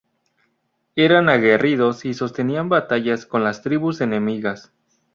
Eran aguerridos y sostenían batallas con las tribus enemigas.